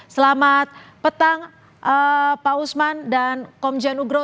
selamat petang pak usman dan komjen nugro